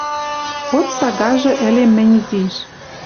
Хоть сагажы ӹлем мӹнь изиш.